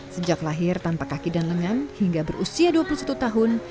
sejak lahir tanpa kaki dan lengan hingga berusia dua puluh satu tahun